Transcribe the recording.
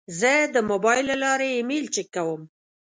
زه د موبایل له لارې ایمیل چک کوم.